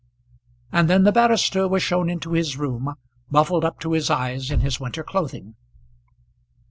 And then the barrister was shown into his room, muffled up to his eyes in his winter clothing.